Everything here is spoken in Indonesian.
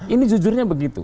ini jujurnya begitu